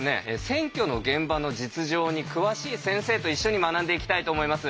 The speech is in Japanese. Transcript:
選挙の現場の実情に詳しい先生と一緒に学んでいきたいと思います。